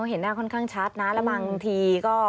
เห็นหน้าค่อนข้างชัดนะแล้วบางทีก็